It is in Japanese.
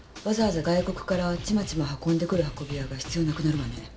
わざわざ外国からちまちま運んでくる運び屋が必要なくなるわね。